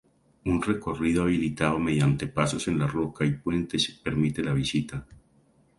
Un recorrido habilitado mediante pasos en la roca y puentes permite la visita.